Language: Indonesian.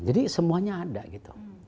jadi semuanya ada gitu